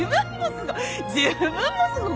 自分もすごい。